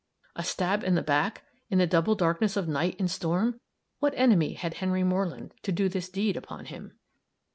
A stab in the back, in the double darkness of night and storm! What enemy had Henry Moreland, to do this deed upon him?